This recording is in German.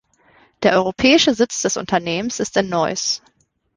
Der europäische Sitz des Unternehmens ist in Neuss.